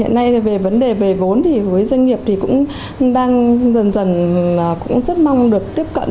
hiện nay về vấn đề về vốn thì với doanh nghiệp thì cũng đang dần dần cũng rất mong được tiếp cận